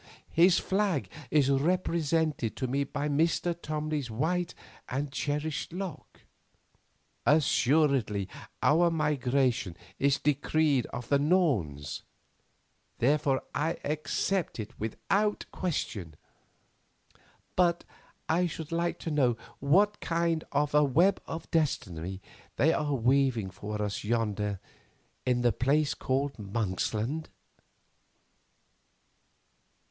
His flag is represented to me by Mr. Tomley's white and cherished lock. Assuredly our migration is decreed of the Norns, therefore I accept it without question; but I should like to know what kind of a web of destiny they are weaving for us yonder in the place called Monksland."